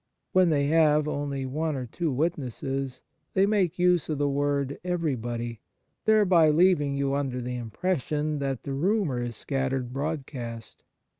When they have only one or two witnesses, they make use of the word everybody, thereby leaving you under the impression that the rumour is scattered broadcast.